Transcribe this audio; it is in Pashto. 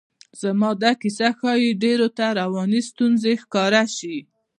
زما دا کیسه ښایي ډېرو ته رواني ستونزه ښکاره شي.